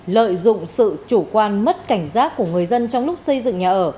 lợi dụng sự chủ quan mất cảnh giác của người dân trong lúc xây dựng nhà ở